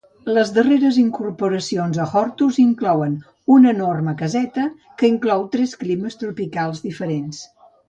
Les darreres incorporacions a Hortus inclouen una enorme caseta, que inclou tres climes tropicals diferents.